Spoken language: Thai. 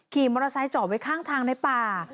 ขี่มอเตอร์ไซค์จอดไว้ข้างทางในป่า